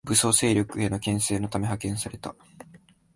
武装勢力への牽制のため派遣された